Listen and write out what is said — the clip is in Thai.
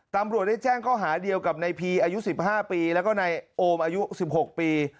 ตำรวจได้แจ้งข้อหาเดียวกับในพีอายุ๑๕ปีแล้วก็ในโอมอายุ๑๖ปี